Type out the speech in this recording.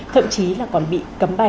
thậm chí là còn bị cấm bay